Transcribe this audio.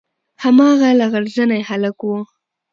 هماغه لغړ زنى هلک و.